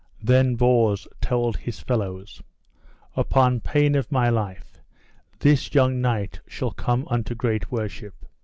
Then Bors told his fellows: Upon pain of my life this young knight shall come unto great worship.